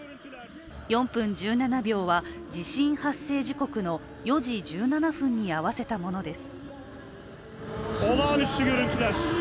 ４分１７秒は、地震発生時刻の４時１７分に合わせたものです。